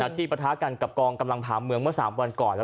ที่ประทะกันกับกองกำลังผ่าเมืองเมื่อ๓วันก่อน